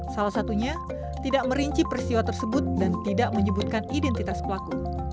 salah satunya tidak merinci peristiwa tersebut dan tidak menyebutkan identitas pelaku